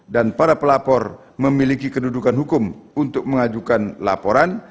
dan para pelapor memiliki kedudukan hukum untuk mengajukan laporan